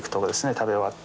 食べ終わって。